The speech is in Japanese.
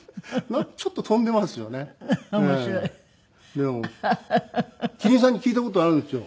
でも希林さんに聞いた事あるんですよ。